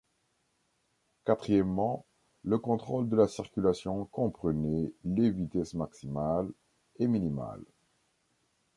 Quatrièmement, le contrôle de la circulation comprenait les vitesses maximales et minimales.